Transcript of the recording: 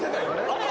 あれ？